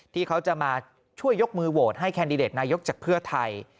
ที่เขาจะมาช่วยยกมือโหวตให้แคนดิเดตนายกจากเพื่อไทย